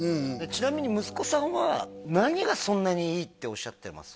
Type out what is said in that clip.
ちなみに息子さんは何がそんなにいいっておっしゃってます？